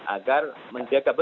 agar kita bisa membuat aturan